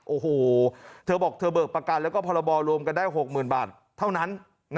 โอ้โหเธอบอกเธอเบิกประกันแล้วก็พรบรวมกันได้๖๐๐๐บาทเท่านั้น